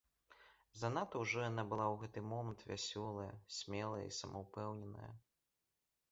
Занадта ўжо яна была ў гэты момант вясёлая, смелая і самаўпэўненая.